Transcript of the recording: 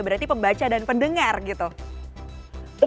kemudian ayo jadi langsung saja ada audio nya juga gitu kan